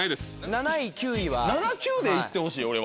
７位９位で行ってほしい俺は。